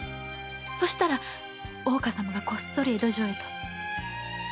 そしたら大岡様がこっそり江戸城へと。